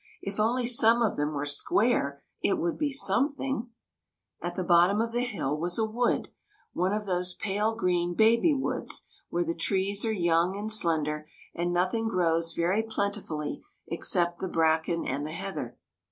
If only some of them were square, it would be some thing !" At the bottom of the hill was a wood, one of those pale green baby woods, where the trees are young and slender and nothing grows very plentifully except the bracken and the heather.